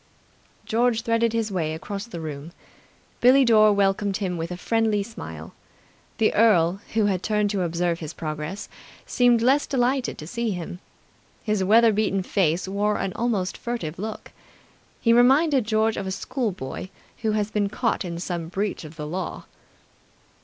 George threaded his way across the room. Billie Dore welcomed him with a friendly smile. The earl, who had turned to observe his progress, seemed less delighted to see him. His weather beaten face wore an almost furtive look. He reminded George of a schoolboy who has been caught in some breach of the law.